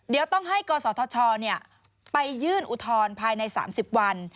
เดี๋ยวต้องให้กศธชไปยื่นอุทธรณ์ภายใน๓๐วัน